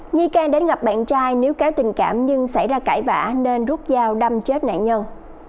nghi can đến gặp bạn trai nếu kéo tình cảm nhưng xảy ra cãi vã nên rút dao đâm chết nạn nhân